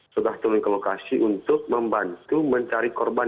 sudah turun ke lokasi untuk membantu mencari korban